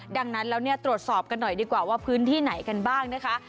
ดังนั้นแล้วเนี่ยตรวจสอบกันหน่อยดีกว่าว่าพื้นที่ไหนกันบ้างนะคะ